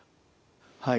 はい。